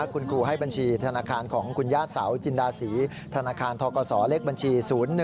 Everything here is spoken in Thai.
คุณครูให้บัญชีธนาคารของคุณย่าเสาจินดาศรีธนาคารทกศเลขบัญชี๐๑